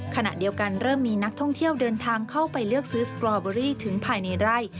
ขณะเดียวกันเริ่มมีนักท่องเที่ยวเดินทางเข้าไปเลือกซื้อสตรอเบอรี่ถึงภายในไร่